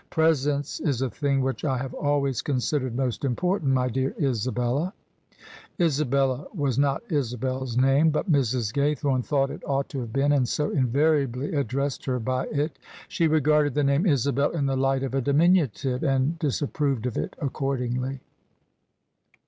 Presence is a thing which I have always considered most important, my dear Isabella." Isabella was not Isabel's name: but Mrs. Gaythorne thought it ought to have been, and so invariably addressed her by it. She regarded the name Isabel in the light of a diminutive, and disapproved of it accordingly.